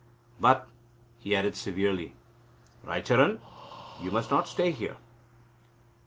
"But," he added severely, "Raicharan, you must not stay here."